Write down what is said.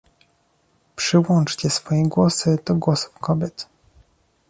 Przyłączcie swoje głosy do głosów kobiet